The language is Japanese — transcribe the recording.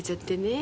え